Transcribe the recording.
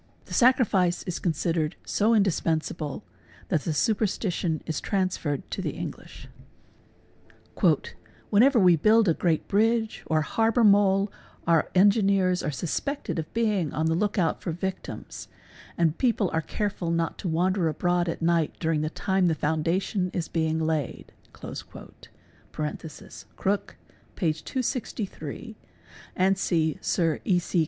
The sacrifice is considered so indispensible that the su perstition is transferred to the English. '' Whenever we build a great bridge or harbour mole our engineers are suspected of being on the look out for victims, and people are careful not to wander abroad at night during the time the foundation is being laid'' (Crooke, p. 268, and see Sir E.C.